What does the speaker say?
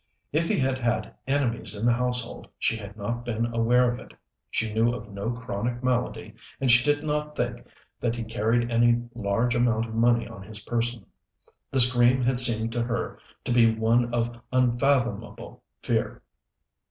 If he had had enemies in the household she had not been aware of it, she knew of no chronic malady, and she did not think that he carried any large amount of money on his person. The scream had seemed to her to be one of unfathomable fear.